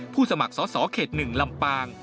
สมัครสอสอเขต๑ลำปาง